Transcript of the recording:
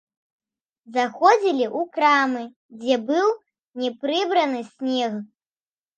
Заходзілі ў крамы, дзе быў непрыбраны снег.